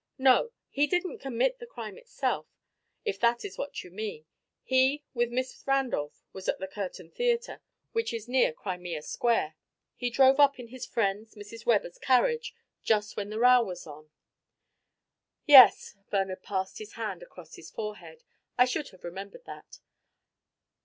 "No. He didn't commit the crime himself, if that is what you mean. He with Miss Randolph was at the Curtain Theatre, which is near Crimea Square. He drove up in his friend's Mrs. Webber's carriage just when the row was on." "Yes." Bernard passed his hand across his forehead. "I should have remembered that.